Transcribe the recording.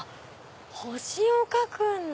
星を描くんだ！